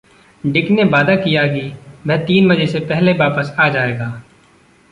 Dick ने वादा किया कि वह तीन बजे से पहले वापस आ जाएगा।